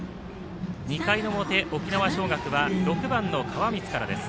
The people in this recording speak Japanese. ２回の表、沖縄尚学は６番の川満からです。